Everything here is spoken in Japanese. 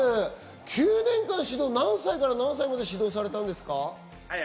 ９年間の指導、何歳から何歳まで指導されたんですか？